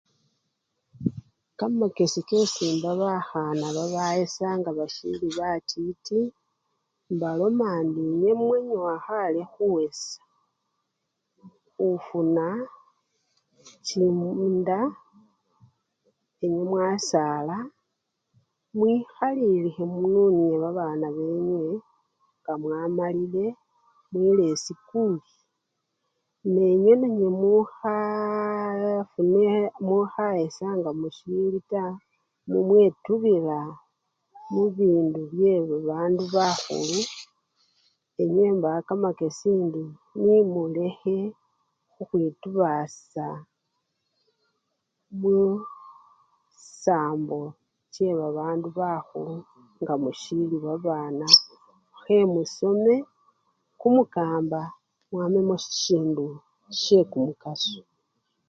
Kamakesi kesi imba bakhana babayesya nga basili batiti, mbaloma indi nywe mumwa nyowa khale khuyesya, khufuna chinda enywe mwasala, mwikhalilikhe mununye babana benywe nga mwamalile mwile esikuli, nenywe nanywe mukhayesya nga musili taa, mumwetubila mubindu byebabandu bakhulu, enywe mbawa kamakesi indi nemulekhe khukhwitubasya musambo chebabandu bakhulu nga musili babana, khemusome kumukamba mwamemo sisindu syekumukaso.